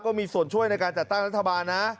ก็มีส่วนช่วยในการจัดตั้งรัฐบาลนะ